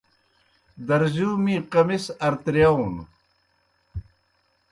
درزِیو می قمِص ارتِرِیاؤنوْ۔